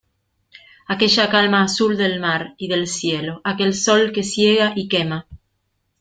aquella calma azul del mar y del cielo, aquel sol que ciega y quema